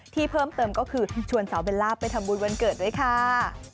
ที่เพิ่มเติมก็คือชวนสาวเบลล่าไปทำบุญวันเกิดด้วยค่ะ